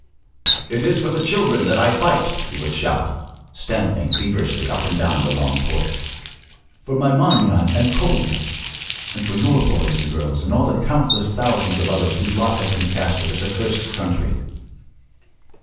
'It is for the children that I fight!' he would shout, stamping feverishly up and down the long porch; 'for my Manya and Kolya, and for your boys and girls and all the countless thousands of others whose lot has been cast with this accursed country!